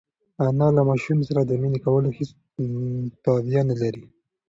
انا له ماشوم سره د مینې کولو هېڅ تابیا نهلري.